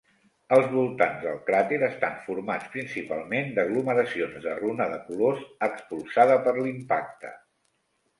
Els voltants del cràter estan formats principalment d'aglomeracions de runa de colors expulsada per l'impacte.